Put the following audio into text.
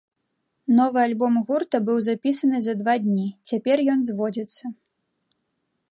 Новы альбом гурта быў запісаны за два дні, цяпер ён зводзіцца.